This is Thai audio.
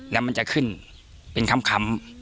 แล้วมันจะขึ้นเป็นค้ำ